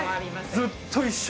ずっと一緒。